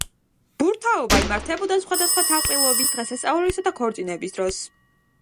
ბურთაობა იმართებოდა სხვადასხვა თავყრილობის, დღესასწაულისა და ქორწილის დროს.